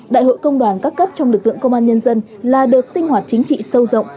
đại hội công đoàn các cấp trong lực lượng công an nhân dân là đợt sinh hoạt chính trị sâu rộng